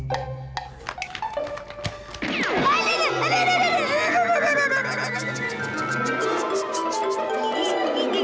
gigi tuh kaki gigi disini